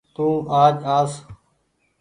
تو آج آس